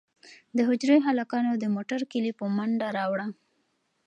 د حجرې هلکانو د موټر کیلي په منډه راوړه.